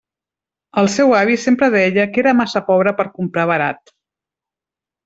El seu avi sempre deia que era massa pobre per comprar barat.